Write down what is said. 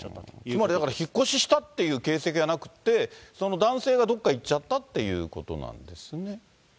つまりだから、引っ越ししたっていう形跡はなくって、男性がどっか行っちゃったということなんですね。